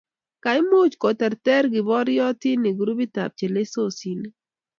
Kaimuch koterter kiporyotinik groupitab chelososinik.